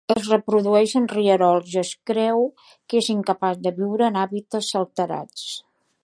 Es reprodueix en rierols i es creu que és incapaç de viure en hàbitats alterats.